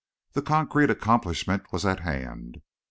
The concrete accomplishment was at hand.